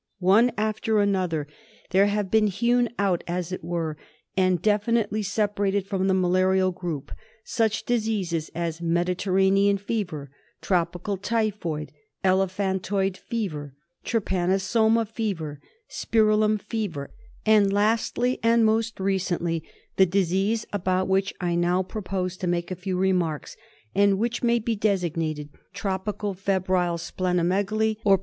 One after another there have been hewn out, as it were, and definitely separated from the malarial group such diseases as Mediterranean fever. Tropical typhoid, Elephantoid fever, Trypanosoma fever. Spirillum fever, and lastly and most recently the disease about which I now propose to make a few remarks and which may be designated Tropical Febrile Spleno megaly, or I 2 132 KALA AZAR.